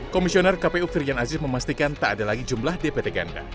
komisioner kpu firian aziz memastikan tak ada lagi jumlah dpt ganda